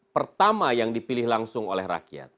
pertama yang dipilih langsung oleh rakyat